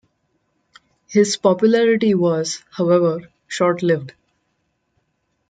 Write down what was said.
His popularity was, however, short-lived.